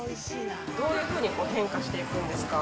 どういうふうに変化していくんですか？